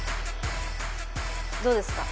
どうですか？